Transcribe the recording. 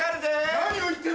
何を言ってる？